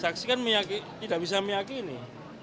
saksi kan tidak bisa meyakini